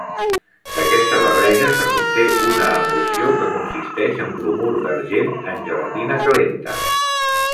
D’aquesta barreja se n’obté una emulsió que consisteix en bromur d’argent en gelatina calenta.